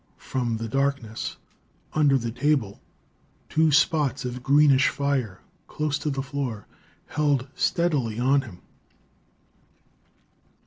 From the darkness under the table two spots of greenish fire, close to the floor, held steadily on him.